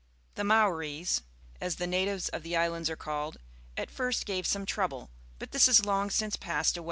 T\\QuUaoas, as the gatiijas of the islands are called, at first gave some trouble, but this has long since passed away.